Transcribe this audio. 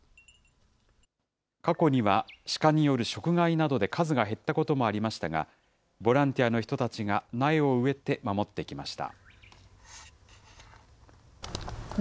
過去にはシカによる食害などで数が減ったこともありましたが、ボランティアの人たちが苗を植えて守ってきました。